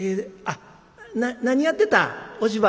あっ何やってた？